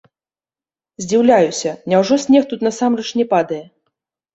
Здзіўляюся, няўжо снег тут насамрэч не падае?